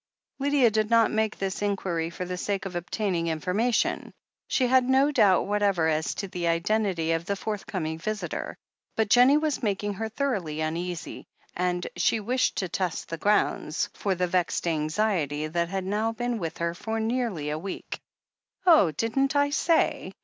Lydia did not make this inquiry for the sake of obtaining information. She had no doubt whatever as to the identity of the forthcoming visitor, but Jennie was making her thoroughly uneasy, and she wished to test the groimds for the vexed anxiety that had now been with her for nearly a week. "Oh, didn't I say?"